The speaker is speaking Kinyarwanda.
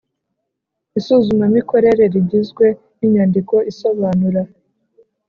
Isuzumamikorere rigizwe n inyandiko isobanura